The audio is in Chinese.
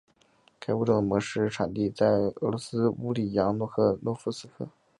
该物种的模式产地在俄罗斯乌里扬诺夫斯克。